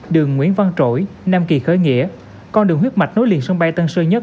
đường nguyễn văn trỗi nam kỳ khởi nghĩa con đường huyết mạch nối liền sân bay tân sơn nhất